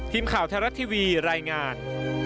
ทีมข่าวไทยรัฐทีวีรายงาน